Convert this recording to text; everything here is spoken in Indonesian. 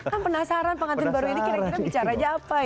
kan penasaran pengantin baru ini kira kira bicara aja apa ya